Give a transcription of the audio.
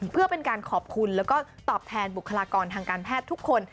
เพื่อเป็นการขอบคุณแล้วก็ตอบแทนบุคลากรทางการแพทย์ทุกคน